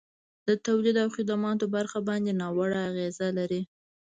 د تولید او خدماتو برخه باندي ناوړه اغیزه لري.